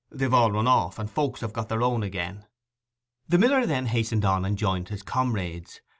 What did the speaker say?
They've all run off, and folks have got their own again.' The miller then hastened on and joined his comrades.